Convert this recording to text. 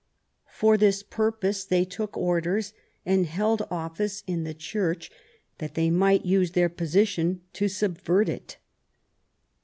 For this purpose they took orders and held office in the Church, that they might use their position to subvert it.